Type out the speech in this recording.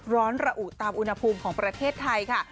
ระอุตามอุณหภูมิของประเทศไทยค่ะ